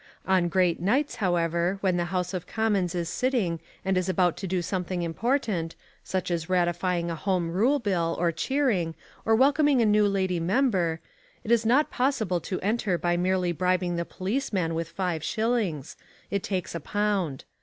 On great nights, however, when the House of Commons is sitting and is about to do something important, such as ratifying a Home Rule Bill or cheering, or welcoming a new lady member, it is not possible to enter by merely bribing the policeman with five shillings; it takes a pound.